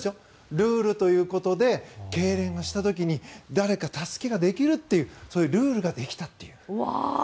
ルールということでけいれんした時に誰か助けができるというそういうルールができたという。